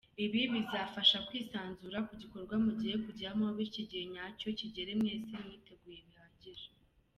Ibi bizabafasha kwisanzura kugikorwa mugiye kujyamo bityo igihe nyacyo kigere mwese mwiteguye bihagije.